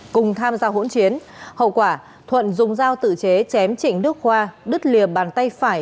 cùng tham gia hỗn chiến hậu quả thuận dùng dao tự chế chém trịnh đức khoa đứt lìa bàn tay phải